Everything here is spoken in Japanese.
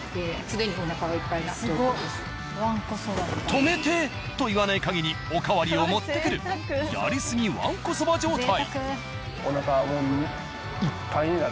止めて！と言わない限りおかわりを持ってくるやりすぎわんこそば状態。